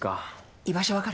居場所わかる？